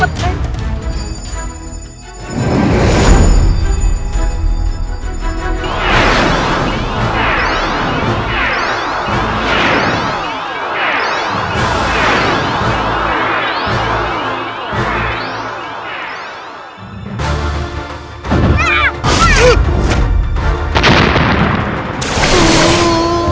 berlangganan pak man